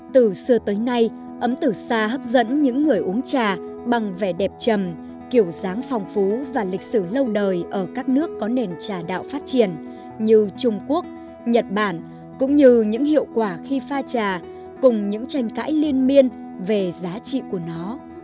từ xưa tới nay ấm từ xa hấp dẫn những người uống trà bằng vẻ đẹp trầm kiểu dáng phong phú và lịch sử lâu đời ở các nước có nền trà đạo phát triển như trung quốc nhật bản cũng như những hiệu quả khi pha trà cùng những tranh cãi liên miên về giá trị của nó